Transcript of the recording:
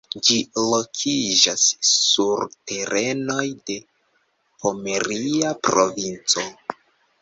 Ĝi lokiĝas sur terenoj de Pomeria Provinco.